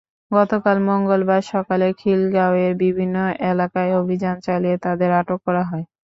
গতকাল মঙ্গলবার সকালে খিলগাঁওয়ের বিভিন্ন এলাকায় অভিযান চালিয়ে তাঁদের আটক করা হয়।